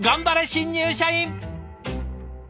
新入社員！